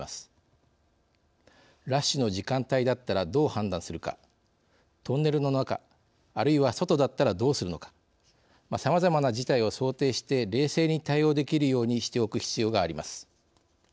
ラッシュの時間帯だったらどう判断するかトンネルの中あるいは外だったらどうするのかさまざまな事態を想定して冷静に対応できるようにしておく必要があります。